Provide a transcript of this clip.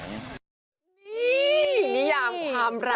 นี่อย่างความรัก